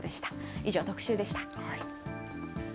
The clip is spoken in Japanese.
以上、特集でした。